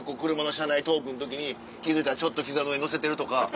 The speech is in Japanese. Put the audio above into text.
車内トークの時に気付いたらちょっと膝の上にのせてるとか。